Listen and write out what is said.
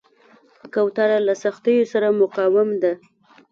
کوتره له سختیو سره مقاوم ده.